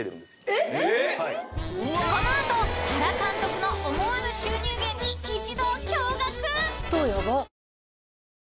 ［この後原監督の思わぬ収入源に一同驚愕！］